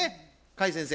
甲斐先生。